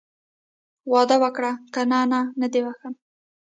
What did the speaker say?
واده وکړه که نه نه دې بښم.